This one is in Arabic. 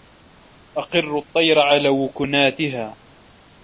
أَقِرُّوا الطَّيْرَ عَلَى وُكُنَاتِهَا